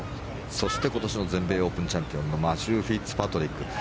そして、今年の全米オープンチャンピオンのマシュー・フィッツパトリック。